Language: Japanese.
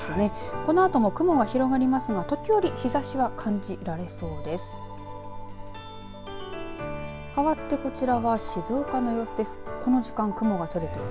このあとも、雲が広がりますが時折日ざしは感じられそうです。